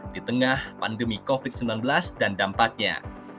di tengah pandemi covid sembilan belas dan dampaknya